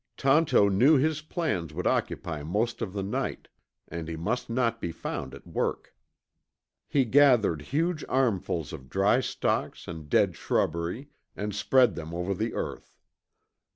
Tonto knew his plans would occupy most of the night, and he must not be found at work. He gathered huge armfuls of dry stalks and dead shrubbery, and spread them over the earth.